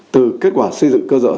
từ kết quả xây dựng cơ dở